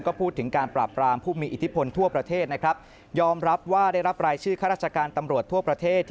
ก็พูดถึงการปราบกลางผู้มีอิทธิพลทั่วประเทศ